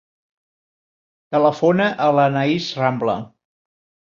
Telefona a l'Anaïs Rambla.